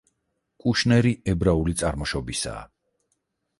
კუშნერი ებრაული წარმოშობისაა.